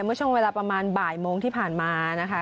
เมื่อช่วงเวลาประมาณบ่ายโมงที่ผ่านมานะคะ